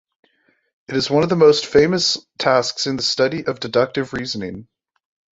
It is one of the most famous tasks in the study of deductive reasoning.